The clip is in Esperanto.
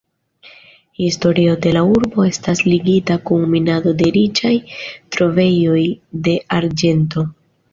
Historio de la urbo estas ligita kun minado de riĉaj trovejoj de arĝento.